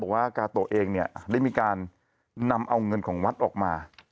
บอกว่ากาโตเองได้มีการนำเอาเงินของวัดออกมา